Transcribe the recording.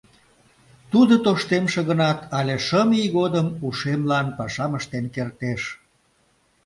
Тудо тоштемше гынат, але шым ий годым ушемлан пашам ыштен кертеш.